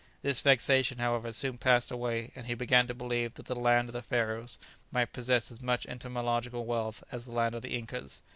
This vexation, however, soon passed away, and he began to believe that "the land of the Pharaohs" might possess as much entomological wealth as "the land of the Incas."